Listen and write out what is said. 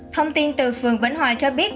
thông tin từ phường vĩnh hòa cho biết